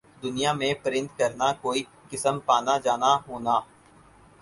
دنیا میں پرند کرنا کوئی قسم پانا جانا ہونا